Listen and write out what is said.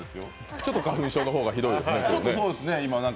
ちょっと花粉症の方がひどいですね。